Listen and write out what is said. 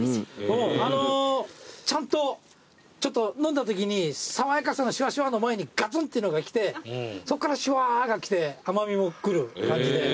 あのちゃんと飲んだときに爽やかさのシュワシュワの前にガツンっていうのがきてそっからシュワーがきて甘みもくる感じで。